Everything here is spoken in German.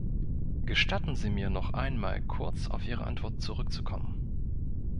Gestatten Sie mir, noch einmal kurz auf Ihre Antwort zurückzukommen.